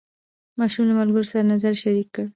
ماشوم له ملګرو سره نظر شریک کړ